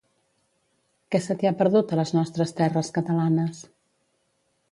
Què se t'hi ha perdut, a les nostres terres catalanes?